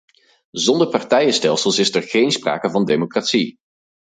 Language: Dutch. Zonder partijenstelsels is er geen sprake van democratie.